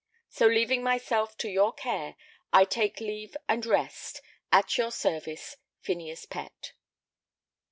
So leaving myself to your care I take leave and rest At your service, PHINEAS PETT.